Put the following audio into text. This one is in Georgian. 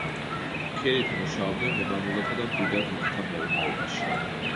ქირით მუშაობდნენ მემამულეთა და მდიდარ გლეხთა მეურნეობაში.